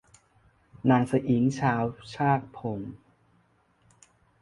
นางสะอิ้งชาวชากพง